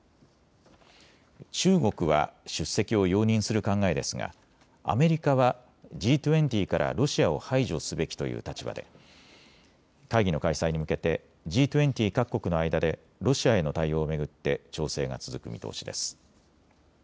中国は出席を容認する考えですがアメリカはＧ２０からロシアを排除すべきという立場で会議の開催に向けてＧ２０各国の間でロシアへの対応を巡って調整が続く見通しです。